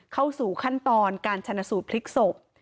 เข้าสู่ขั้นตอนการชนะสูตรพลิกศพ